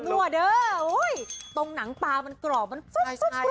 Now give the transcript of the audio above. แดดนั่วเด้อตรงหนังปลามันกรอบมันกรุบครับ